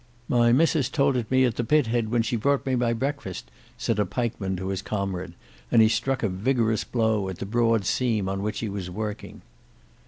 "My missus told it me at the pit head when she brought me my breakfast," said a pikeman to his comrade, and he struck a vigorous blow at the broadseam on which he was working.